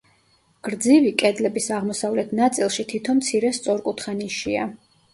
გრძივი კედლების აღმოსავლეთ ნაწილში თითო მცირე სწორკუთხა ნიშია.